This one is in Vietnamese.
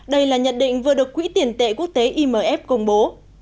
đây là nhận định vừa được quỹ tiền tệ quốc tế imf công bố